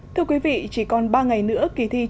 thưa quý vị chỉ còn ba ngày nữa kỳ thi trung học